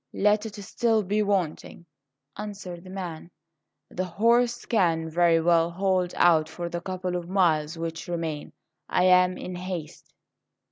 "Let it still be wanting," answered the man; "the horse can very well hold out for the couple of miles which remain. I am in haste."